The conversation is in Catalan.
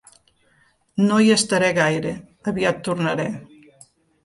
No hi estaré gaire, aviat tornaré.